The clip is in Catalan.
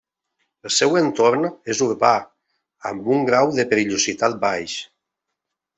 El seu entorn és urbà, amb un grau de perillositat baix.